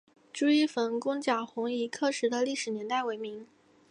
朱一冯攻剿红夷刻石的历史年代为明。